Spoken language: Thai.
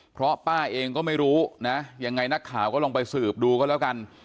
เพราะป้าเองก็ไม่รู้นะยังไงนักข่าวก็ลองไปสืบดูก็แล้วกัน